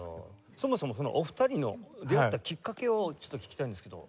そもそもお二人の出会ったきっかけをちょっと聞きたいんですけど。